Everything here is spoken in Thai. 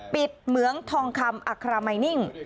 เหมืองทองคำอัครามัยนิ่ง